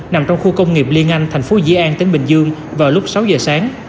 nằm trong khu công nghiệp liên anh thành phố dĩ an tỉnh bình dương vào lúc sáu giờ sáng